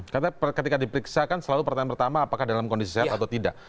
karena ketika diperiksakan selalu pertanyaan pertama apakah dalam kondisi sehat atau tidak